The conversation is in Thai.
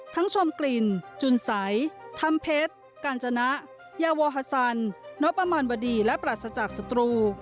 ทั้งชมกลิ่นจุนสัยธรรมเพชรกาญจนะยาววอฮศัลน้อปมันบดีและปรัสจักษ์สตรู